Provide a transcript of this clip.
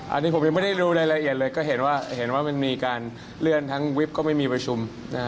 อันนี้ผมยังไม่ได้รู้รายละเอียดเลยก็เห็นว่าเห็นว่ามันมีการเลื่อนทั้งวิบก็ไม่มีประชุม